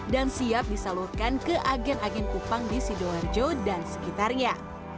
dan siap disalurkan ke agen agen kupang di sidoarjo dan sekitarnya